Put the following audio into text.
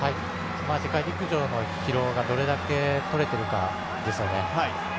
世界陸上の疲労がどれだけ取れているかですよね。